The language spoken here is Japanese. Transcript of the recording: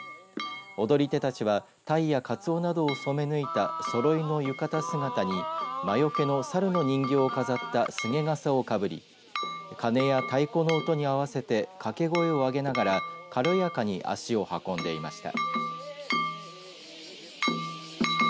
踊り手たちはたいやかつおなどを染め抜いたそろいの浴衣姿に魔よけの猿の人形を飾った菅笠をかぶりかねや太鼓の音に合わせて掛け声を上げながら軽やかに足を運んでいました。